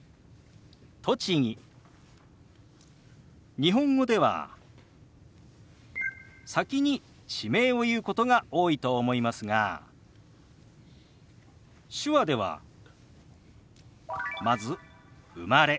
日本語では先に地名を言うことが多いと思いますが手話ではまず「生まれ」。